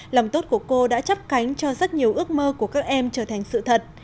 lòng tốt của cô đã chấp cánh cho rất nhiều ước mơ của các em trở thành sự thật